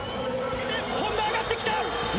本多、上がってきた。